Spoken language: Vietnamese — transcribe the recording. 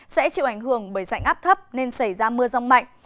sẽ chịu ảnh hưởng bởi dạnh áp thấp nên xảy ra mưa rong mạnh